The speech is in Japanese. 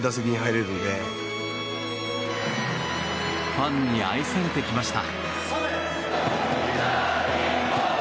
ファンに愛されてきました。